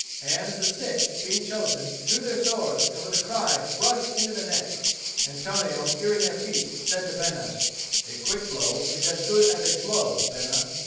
And the six, being chosen, drew their swords and with a cry rushed into the neck. Antonio, hearing their feet, said to Bena, "A quick blow is as good as a slow, Bena."